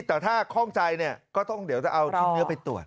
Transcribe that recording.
แต่ถ้าคล่องใจก็เดี๋ยวจะเอาที่เนื้อไปตรวจ